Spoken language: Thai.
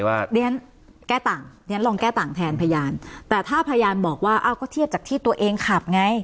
เรียนแก้ต่างเรียนลองแก้ต่างแทนพยานแต่ถ้าพยานบอกว่าอ้าวก็เทียบจากที่ตัวเองขับไง